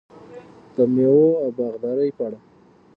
د میوو او باغدارۍ په اړه: